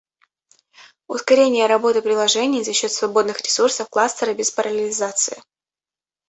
Ускорение работы приложений за счет свободных ресурсов кластера без параллелизации